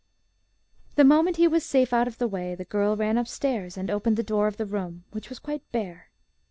The moment he was safe out of the way, the girl ran upstairs and opened the door of the room, which was quite bare.